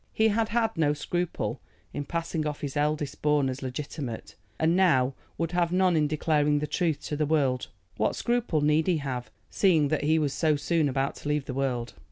He had had no scruple in passing off his eldest born as legitimate, and now would have none in declaring the truth to the world. What scruple need he have, seeing that he was so soon about to leave the world?